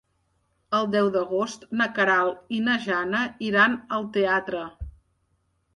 El deu d'agost na Queralt i na Jana iran al teatre.